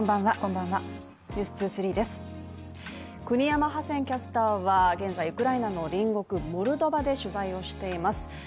国山ハセンキャスターは現在、ウクライナの隣国モルドバで取材をしています。